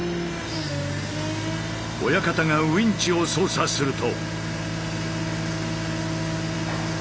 親方がウインチを操作すると。